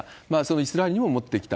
イスラエルにも持ってきた。